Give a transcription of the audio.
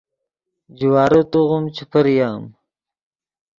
جوارے توغیم چے پریم